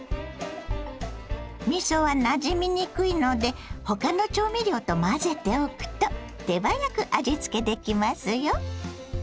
みそはなじみにくいので他の調味料と混ぜておくと手早く味付けできますよ。